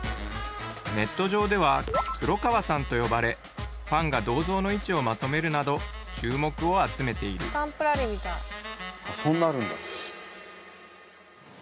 ネット上では「黒川さん」と呼ばれファンが銅像の位置をまとめるなど注目を集めているスタンプラリーみたい。